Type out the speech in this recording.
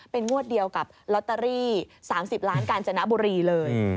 เป็นงวดเดียวกับลอตเตอรี่๓๐ล้านกาญจนบุรีเลย